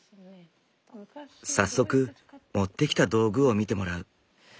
早速持ってきた道具を見てもらう。